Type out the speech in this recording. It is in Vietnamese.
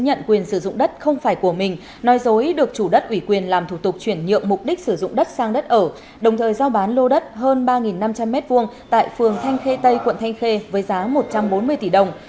chuyển nhận quyền sử dụng đất không phải của mình nói dối được chủ đất ủy quyền làm thủ tục chuyển nhượng mục đích sử dụng đất sang đất ở đồng thời giao bán lô đất hơn ba năm trăm linh m hai tại phường thanh khê tây quận thanh khê với giá một trăm bốn mươi tỷ đồng